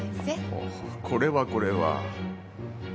おおこれはこれは